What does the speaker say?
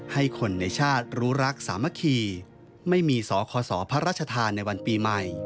ให้คนในชาติรู้รักสามะขี